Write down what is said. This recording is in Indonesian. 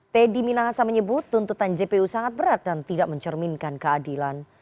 teddy minahasa menyebut tuntutan jpu sangat berat dan tidak mencerminkan keadilan